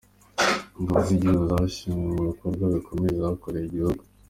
Ingabo z’igihugu zashimwe ku bikorwa bikomeye zakoreye igihugu.